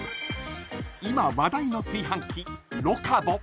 ［今話題の炊飯器］